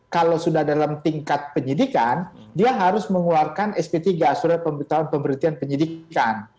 kalau sudah dalam tingkat penyidikan dia harus mengeluarkan sp tiga surat pemberitahuan pemberhentian penyidikan